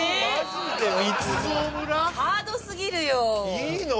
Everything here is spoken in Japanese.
ハードすぎるよいいの？